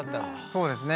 そうですね。